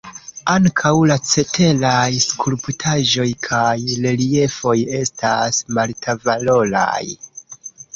Ankaŭ la ceteraj skulptaĵoj kaj reliefoj estas altvaloraj.